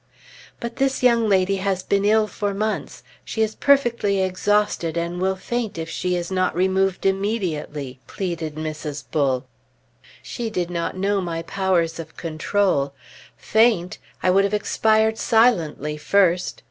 "But this young lady has been ill for months; she is perfectly exhausted, and will faint if she is not removed immediately," pleaded Mrs. Bull. She did not know my powers of control. Faint! I would have expired silently first!